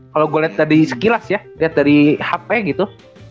kalau gue lihat dari sekilas ya lihat dari hp gitu